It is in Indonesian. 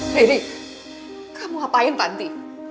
riri kamu ngapain tanti